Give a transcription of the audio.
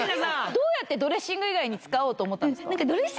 どうやってドレッシング以外に使おうと思ったんですか？